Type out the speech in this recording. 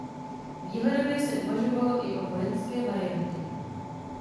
Výhledově se uvažovalo i o vojenské variantě.